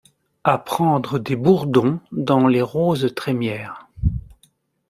A prendre des bourdons dans les roses trémières